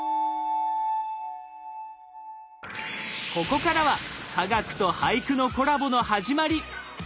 ここからは科学と俳句のコラボの始まり。